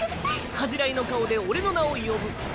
恥じらいの顔で俺の名を呼ぶ。